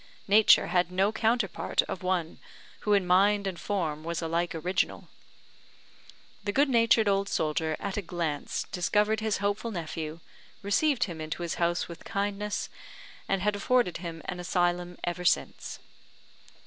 Nature had no counterpart of one who in mind and form was alike original. The good natured old soldier, at a glance, discovered his hopeful nephew, received him into his house with kindness, and had afforded him an asylum ever since.